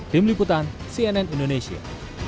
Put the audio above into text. tim liputan cnn indonesia